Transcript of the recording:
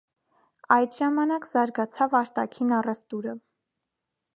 Այդ ժամանակ զարգացավ արտաքին առևտուրը։